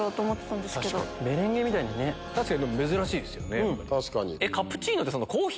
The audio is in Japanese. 確かに珍しいですよね。